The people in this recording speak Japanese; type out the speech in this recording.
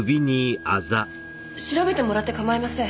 調べてもらって構いません。